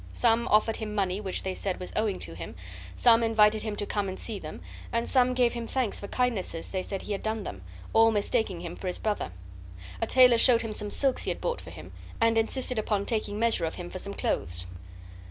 Some offered him money which they said was owing to him, some invited him to come and see them, and some gave him thanks for kindnesses they said he had done them, all mistaking him for his brother. A tailor showed him some silks he had bought for him, and insisted upon taking measure of him for some clothes.